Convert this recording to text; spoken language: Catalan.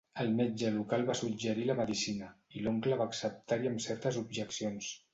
El metge local va suggerir la Medicina, i l'oncle va acceptar-hi amb certes objeccions.